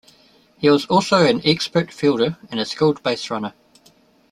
He was also an expert fielder and a skilled baserunner.